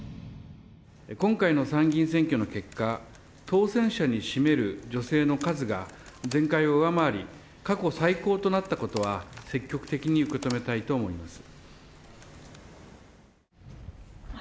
今回の参議院選挙の結果当選者に占める女性の数が前回を上回り過去最高となったことは積極的に受け止めたいと思います。